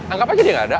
anggap aja dia nggak ada